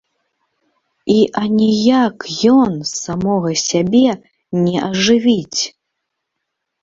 І аніяк ён самога сябе не ажывіць.